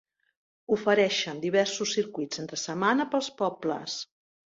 Ofereixen diversos circuits entre setmana pels pobles.